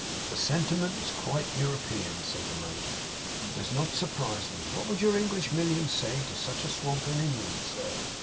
'The sentiment is quite Europian,' said the major, 'and does not surprise me; what would your English millions say to such a swamp in England, sir?